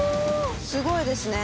すごいですね。